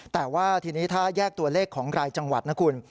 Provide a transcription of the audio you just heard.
แต่ว่าทีนี้ถ้าแยกตัวเลขของรายจังหวัดนะคุณ